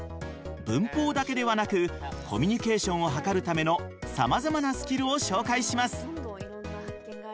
文法だけではなくコミュニケーションをはかるためのさまざまなスキルを紹介します。